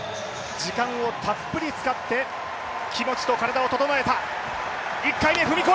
時間をたっぷり使って、気持ちと体を整えた。